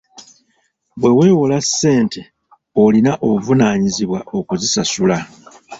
Bwe weewola ssente, olina obuvunaanyizibwa okuzisasula.